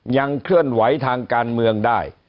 เคลื่อนไหวทางการเมืองได้